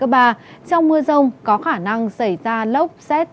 trong mưa rông có khả năng xảy ra lốc xét